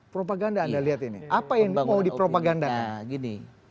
propaganda anda lihat ini apa yang mau dipropagandakan